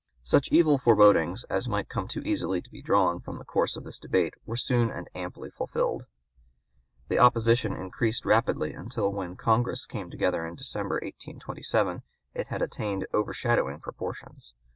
Such evil forebodings as might too easily be drawn from the course of this debate were soon and amply fulfilled. The opposition increased rapidly until when Congress came together in December, 1827, it had attained overshadowing proportions.